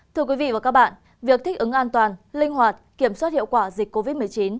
thưa quý vị và các bạn việc thích ứng an toàn linh hoạt kiểm soát hiệu quả dịch covid một mươi chín